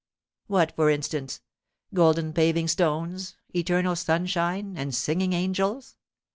'What, for instance? Golden paving stones, eternal sunshine, and singing angels!